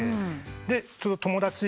で友達。